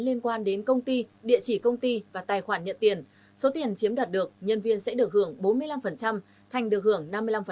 liên quan đến công ty địa chỉ công ty và tài khoản nhận tiền số tiền chiếm đoạt được nhân viên sẽ được hưởng bốn mươi năm thành được hưởng năm mươi năm